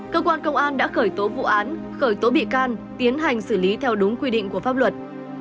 cơ quan công an đã khởi tố vụ án khởi tố bị can tiến hành xử lý theo đúng quy định của pháp luật